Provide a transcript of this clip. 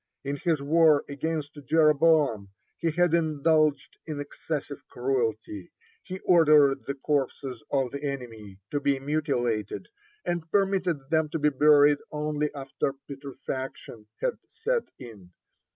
In his war against Jeroboam he had indulged in excessive cruelty; he ordered the corpses of the enemy to be mutilated, and permitted them to be buried only after putrefaction had set in.